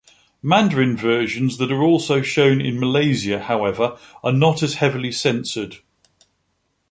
Mandarin versions that are also shown in Malaysia however, are not as heavily censored.